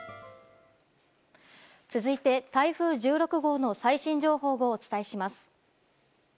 続いて、台風１６号の最新情報をお伝えします。